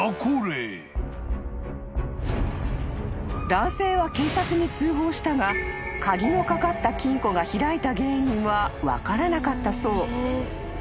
［男性は警察に通報したが鍵の掛かった金庫が開いた原因は分からなかったそう］